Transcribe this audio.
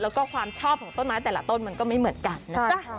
แล้วก็ความชอบของต้นไม้แต่ละต้นมันก็ไม่เหมือนกันนะจ๊ะ